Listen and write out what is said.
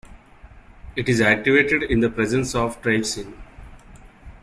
It is activated in the presence of trypsin.